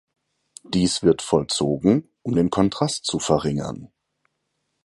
Dies wird vollzogen, um den Kontrast zu verringern.